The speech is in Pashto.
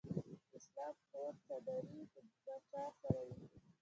د اسلام پور څادرې به چا سره وي؟